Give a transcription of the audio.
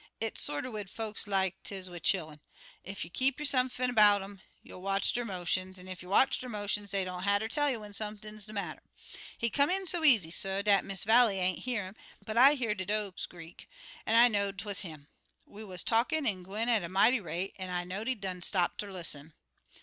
It's sorter wid folks like 'tis wid chillun. Ef you keer 'sump'n 'bout um you'll watch der motions, and ef you watch der motions dey don't hatter tell you when sump'n de matter. He come in so easy, suh, dat Miss Vallie ain't hear 'im, but I hear de do' screak, an' I know'd 'twuz him. We wuz talkin' an' gwine on at a mighty rate, an' I know'd he done stop ter lis'n.